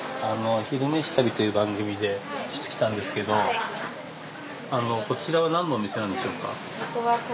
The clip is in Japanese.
「昼めし旅」という番組で来たんですけどこちらは何のお店なんでしょうか。